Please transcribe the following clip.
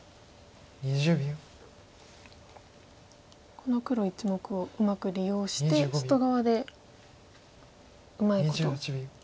この黒１目をうまく利用して外側でうまいことできたらと。